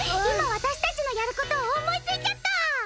今私たちのやること思いついちゃった！